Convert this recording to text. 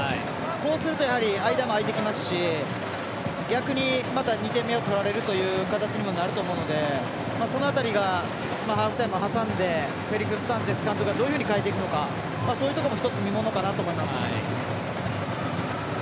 こうするとやはり間もあいてきますし逆にまた２点目を取られるという形にもなると思うのでその辺りがハーフタイム挟んでフェリックス・サンチェス監督がどういうふうに代えていくのかそういうところも一つ見ものかなと思います。